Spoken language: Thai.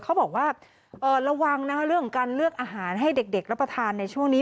เขาบอกว่าระวังนะคะเรื่องของการเลือกอาหารให้เด็กรับประทานในช่วงนี้